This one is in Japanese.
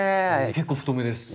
結構太めです。